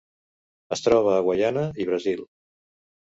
Es troba a Guaiana i Brasil.